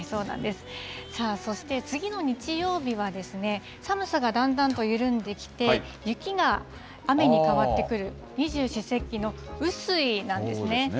そして、次の日曜日は寒さがだんだんと緩んできて、雪が雨に変わってくる、二十四節気の雨水なんですね。